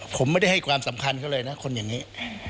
ผมไม่ได้ให้ความสำคัญเขาเลยนะคนอย่างนี้